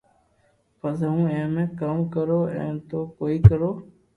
پسي ھون اي مي ڪاوُ ڪرو ايم تو ڪوئي ڪرو